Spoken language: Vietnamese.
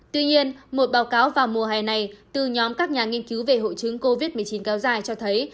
tuy nhiên một báo cáo vào mùa hè này từ nhóm các nhà nghiên cứu về hội chứng covid một mươi chín kéo dài cho thấy